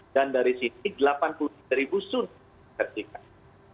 dan dari situ delapan puluh tiga sudah dikonsersikan